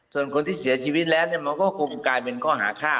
ส่วนคนที่เสียชีวิตแล้วเนี่ยมันก็คงกลายเป็นข้อหาฆ่า